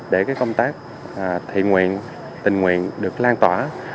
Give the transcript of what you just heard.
để công tác thiện nguyện tình nguyện được lan tỏa